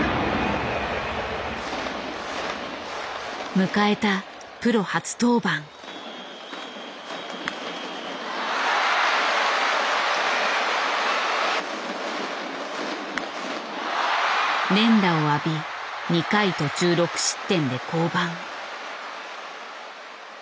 迎えた連打を浴び２回途中６失点で降板。